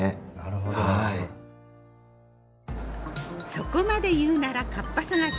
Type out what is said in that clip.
そこまで言うならカッパ探し